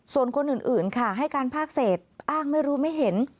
ส่วนคนอื่นค่ะให้การภาคเศษอ้างไม่รู้ไม่เห็น